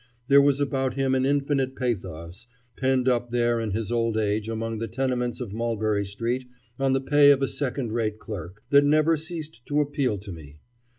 There was about him an infinite pathos, penned up there in his old age among the tenements of Mulberry Street on the pay of a second rate clerk, that never ceased to appeal to me.